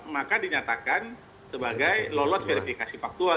maka dinyatakan sebagai lolos verifikasi faktual